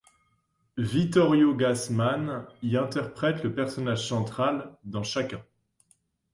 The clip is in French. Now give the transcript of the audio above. Vittorio Gassman y interprète le personnage central dans chacun.